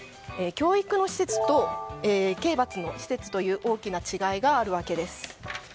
教育の施設と刑罰の施設という大きな違いがあるわけです。